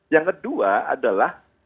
yang kedua adalah